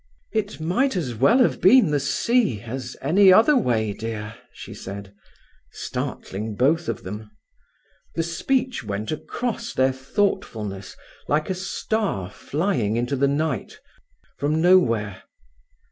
"It might as well have been the sea as any other way, dear," she said, startling both of them. The speech went across their thoughtfulness like a star flying into the night, from nowhere.